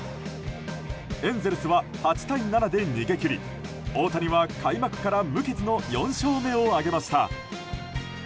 エンゼルスは８対７で逃げ切り大谷は、開幕から無傷の４勝目を挙げました。